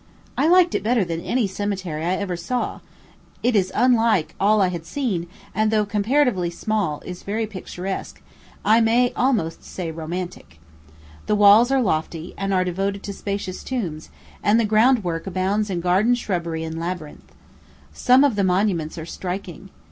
I liked it better than any cemetery I ever saw; it is unlike all I had seen, and, though comparatively small, is very picturesque, I may almost say romantic. The walls are lofty, and are devoted to spacious tombs, and the groundwork abounds in garden shrubbery and labyrinth. Some of the monuments are striking.